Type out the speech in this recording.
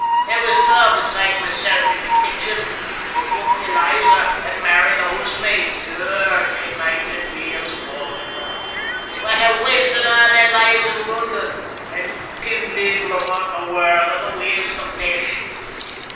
There was twa besides mysel' in the kitchen, the cook Eliza, and Mary the hoosemaid, puir, benighted beings baith o' them, wha had wasted a' their lives in London, and kenned leetle aboot the warld or the ways o' the flesh.